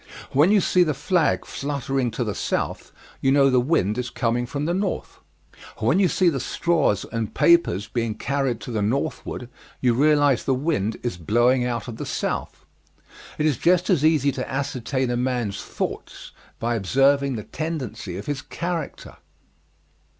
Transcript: When you see the flag fluttering to the South, you know the wind is coming from the North. When you see the straws and papers being carried to the Northward you realize the wind is blowing out of the South. It is just as easy to ascertain a man's thoughts by observing the tendency of his character.